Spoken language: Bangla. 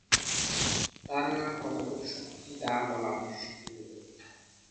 ধারণা কতটুক সত্যি তা বলা মুশকিল।